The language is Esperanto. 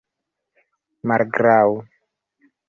malgraŭ